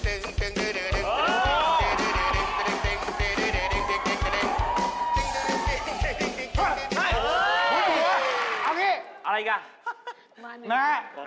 เอานี่อะไรอีกล่ะแม่ลูกแม่